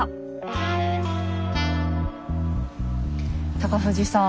高藤さん